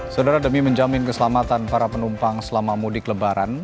saudara demi menjamin keselamatan para penumpang selama mudik lebaran